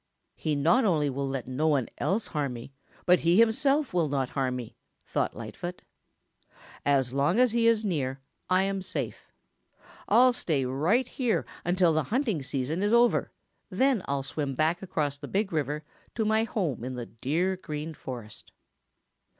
"He not only will let no one else harm me, but he himself will not harm me," thought Lightfoot. "As long as he is near, I am safe. I'll stay right around here until the hunting season is over, then I'll swim back across the Big River to my home in the dear Green Forest."